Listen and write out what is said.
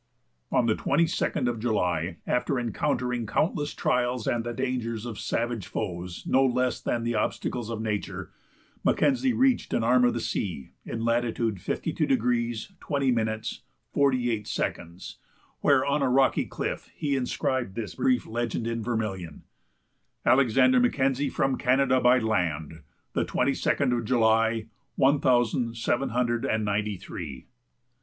On the 22d of July, after encountering countless trials and the dangers of savage foes, no less than the obstacles of nature, Mackenzie reached an arm of the sea in latitude 52° 20′ 48″, where on a rocky cliff he inscribed this brief legend in vermilion: "Alexander Mackenzie from Canada by land, the 22d of July, one thousand seven hundred and ninety three."